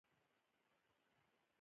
د وړو تروړه نوره هم ګرانه شوه